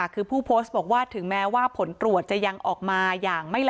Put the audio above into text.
คือผู้โพสต์บอกว่าถึงแม้ว่าผลตรวจจะยังออกมาอย่างไม่ละ